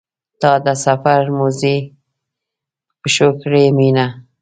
تا د سفر موزې په پښو کړې مینه.